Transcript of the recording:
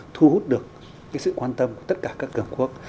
thu hút được sự quan tâm của tất cả các cường quốc